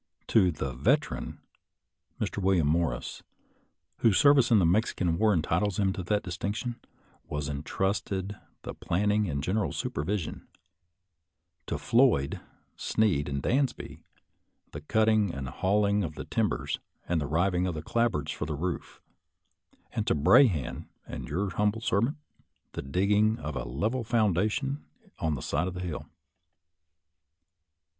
To the Veteran, Mr. Wil liam Morris, whose service in the Mexican War entitles him to that distinction, was intrusted the planning and general supervision; to Floyd, Sneed, and Dansby, the cutting and hauling of the timbers and the riving of the clapboards for the roof; and to Brahan and your humble servant, the digging of a level foundation on the side of the hill.